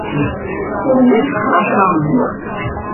¡Hizx azám!